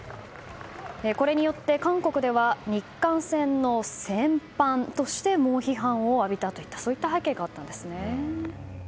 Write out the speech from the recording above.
これによって韓国では日韓戦の戦犯として猛批判を浴びたといった背景があったんですね。